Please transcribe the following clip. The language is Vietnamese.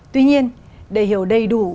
tuy nhiên để hiểu đầy đủ